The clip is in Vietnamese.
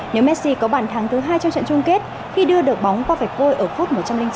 nếu messi có bản thắng thứ hai trong trận chung kết khi đưa được bóng qua vẹt vôi ở phút một trăm linh chín